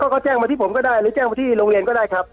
ก็แจ้งมาที่ผมก็ได้หรือแจ้งมาที่โรงเรียนก็ได้ครับ